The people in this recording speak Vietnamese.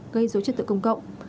gây dối trật tự công cộng